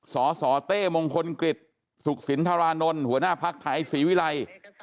สสเต้มงคลกฤษสุขสินทรานนท์หัวหน้าภักดิ์ไทยศรีวิรัย